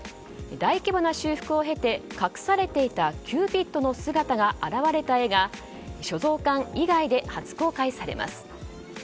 大規模な修復を経て隠されていたキューピッドの姿が現れた絵が所蔵館以外で初公開されます。